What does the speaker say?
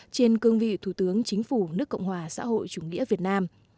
trên cương vị thủ tướng chính phủ nước cộng hòa xã hội chủ nghĩa việt nam